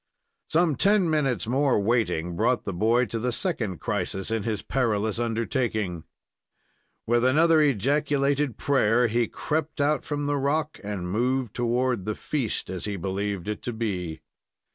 Some ten minutes' more waiting brought the boy to the second crisis in his perilous undertaking. With another ejaculated prayer he crept out from the rock, and moved toward the "feast," as he believed it to be.